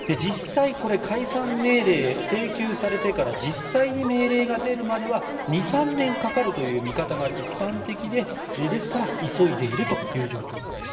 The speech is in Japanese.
解散命令請求されてから実際に命令が出るまでは２３年かかるという見方が一般的でですから、急いでいるという状況なんです。